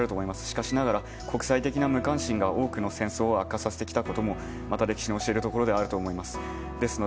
しかしながら国際的な無関心が多くの戦争を悪化させてきたこともまた歴史の知るところではあると思います。